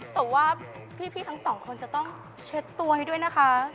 แต่ว่าพี่ทั้งสองคนจะต้องเช็ดตัวให้ด้วยนะคะ